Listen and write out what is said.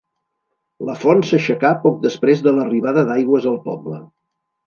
La font s'aixecà poc després de l'arribada d'aigües al poble.